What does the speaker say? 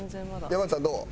山内さんどう？